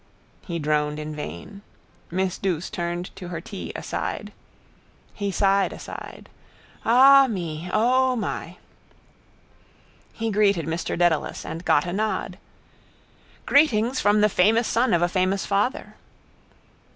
He droned in vain. Miss Douce turned to her tea aside. He sighed aside: —Ah me! O my! He greeted Mr Dedalus and got a nod. —Greetings from the famous son of a famous father.